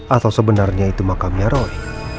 atau sebenarnya itu makamnya roy